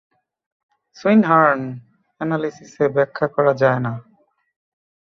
সুইন হার্ন অ্যানালিসিসে ব্যাখ্যা করা যায় না।